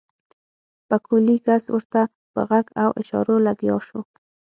پکولي کس ورته په غږ او اشارو لګيا شو.